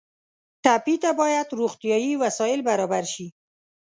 ټپي ته باید روغتیایي وسایل برابر شي.